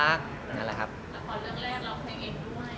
ละครเรื่องแรกรอเพลงเองด้วย